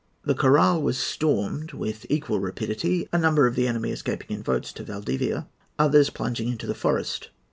The Corral was stormed with equal rapidity, a number of the enemy escaping in boats to Valdivia, others plunging into the forest.